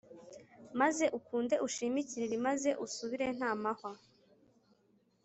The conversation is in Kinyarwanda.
Maze ukunde ushime ikiriri maze usubire ntamahwa